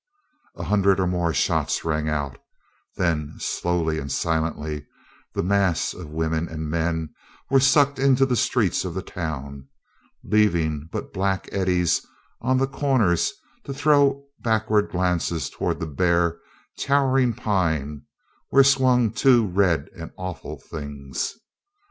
A hundred or more shots rang out; then slowly and silently, the mass of women and men were sucked into the streets of the town, leaving but black eddies on the corners to throw backward glances toward the bare, towering pine where swung two red and awful things.